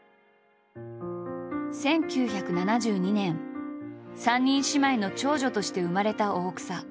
１９７２年３人姉妹の長女として生まれた大草。